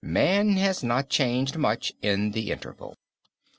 Man has not changed much in the interval.